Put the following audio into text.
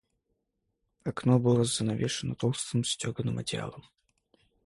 Окно было занавешено толстым стёганым одеялом.